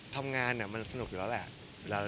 ทำงานมันสนุกอยู่แล้วแหละ